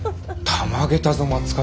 たまげたぞ松方。